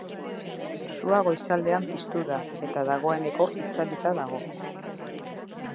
Sua goizaldean piztu da, eta dagoeneko itzalita dago.